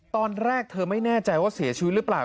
ตอนแรกเธอไม่แน่ใจว่าเสียชีวิตหรือเปล่า